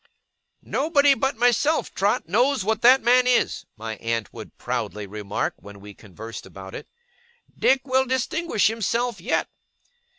'Nobody but myself, Trot, knows what that man is!' my aunt would proudly remark, when we conversed about it. 'Dick will distinguish himself yet!